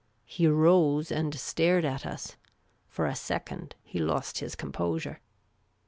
He rose and stared at us. For a second he lost his composure.